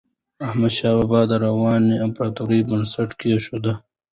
احمدشاه بابا د دراني امپراتورۍ بنسټ کېښود.